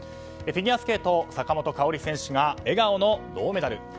フィギュアスケート坂本花織選手が笑顔の銅メダル。